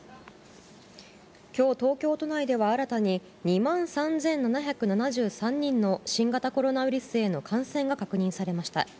きょう、東京都内では新たに、２万３７７３人の新型コロナウイルスへの感染が確認されました。